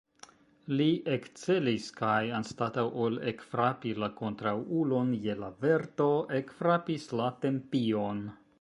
Li ekcelis kaj, anstataŭ ol ekfrapi la kontraŭulon je la verto, ekfrapis la tempion.